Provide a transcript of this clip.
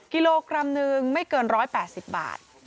กิโลกรัมหนึ่งไม่เกิน๑๘๐บาท